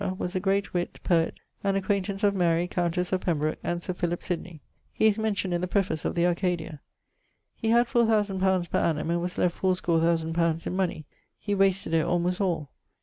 was a great witt, poet, and acquaintance of Mary, countesse of Pembroke, and Sir Philip Sydney. He is mentioned in the preface of the 'Arcadia.' He had four thousand pounds per annum, and was left fourscore thousand pounds in money; he wasted it almost all.